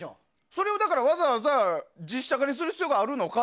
それをわざわざ実写化にする必要があるのか。